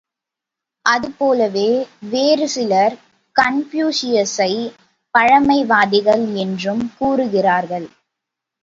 அது போலவே வேறு சிலர் கன்பூசியசை பழமைவாதிகள் என்றும் கூறுகிறார்கள்.